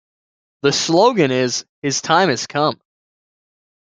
The slogan is "His Time Has Come".